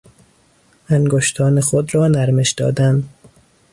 انگشتان خود را نرمش دادن